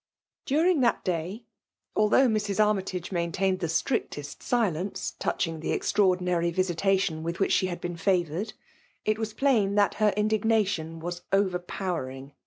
DuBiKo that day, altlioagh Mis. Anaytage maintained the strictest sSence tonchiag ths extraordinary Tisitation mrith whidi she had heen faroiired^ it was phoa that her indig nation was overpowering.